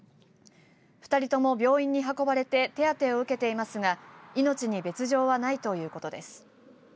２人とも病院に運ばれて手当てを受けていますが命に別状はないということです。